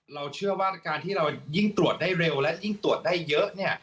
เราเชื่อว่าการที่เรายิ่งตรวจได้เร็วและยิ่งตรวจได้เยอะเนี่ย